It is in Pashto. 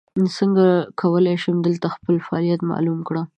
څنګه کولی شم دلته خپل فعالیت معلوم کړم ؟